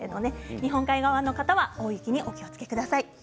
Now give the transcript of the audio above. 日本海側の方は大雪にお気をつけください。